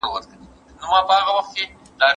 ما د مسلمانانو د اتحاد په اړه یو نوی داستان ولوستی.